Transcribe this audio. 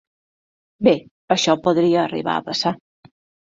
Bé, això podria arribar a passar.